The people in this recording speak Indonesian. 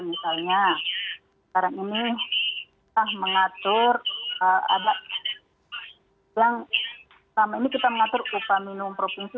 misalnya sekarang ini kita mengatur ada yang selama ini kita mengatur upah minimum provinsi